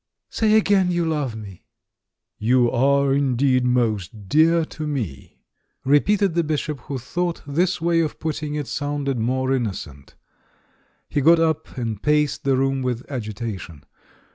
Say again you love me!" "You are indeed most dear to me," repeated the Bishop, who thought this way of putting it sounded more innocent. He got up and paced the room with agitation.